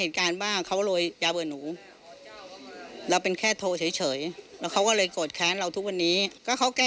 แต่นานเขามีคนไปแจ้งลงพักแล้วเข้ามาค้นบ้านเขา